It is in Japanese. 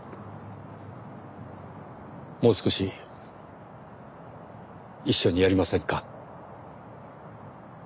もう少し一緒にやりませんか？